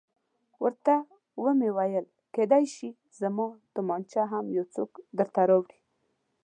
ورته ومې ویل کېدای شي زما تومانچه هم یو څوک درته راوړي.